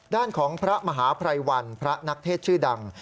ด้านของพระมหาภัยวันพระนักเทศชื่อดัง